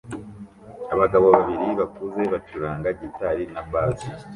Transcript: Abagabo babiri bakuze bacuranga gitari na bass